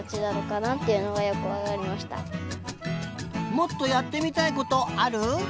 もっとやってみたいことある？